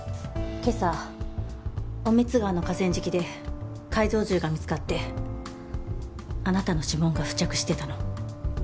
今朝尾満川の河川敷で改造銃が見つかってあなたの指紋が付着してたの。